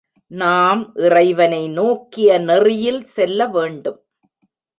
நாம் இறைவனை நோக்கிய நெறியில் செல்லவேண்டும்.